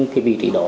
cái vị trí đó